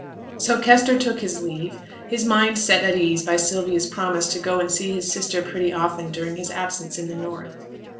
So Kester took his leave, his mind set at ease by Sylvia's promise to go and see his sister pretty often during his absence in the North.